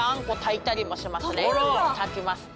炊きます。